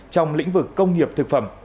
trong lĩnh vực công nghiệp thực phẩm